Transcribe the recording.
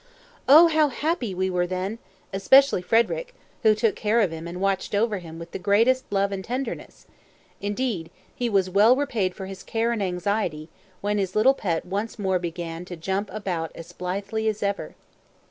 Oh, how happy we all were then, especially Frederick, who took care of him, and watched over him with the greatest love and tenderness. Indeed, he was well repaid for his care and anxiety, when his little pet once more began to jump about as blithely as ever.